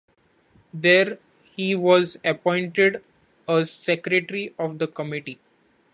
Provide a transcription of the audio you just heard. There he was appointed a secretary of the committee.